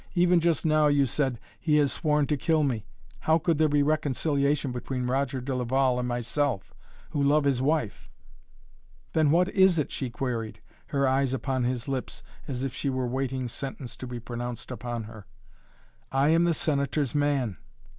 Even just now you said, he has sworn to kill me. How could there be reconciliation between Roger de Laval and myself who love his wife?" "Then what is it?" she queried, her eyes upon his lips as if she were waiting sentence to be pronounced upon her. "I am the Senator's man!"